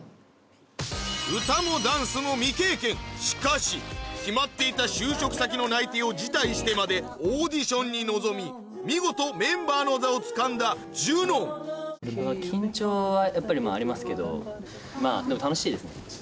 歌もダンスも未経験しかし決まっていた就職先の内定を辞退してまでオーディションに臨み見事メンバーの座をつかんだジュノン間違ってないですよね？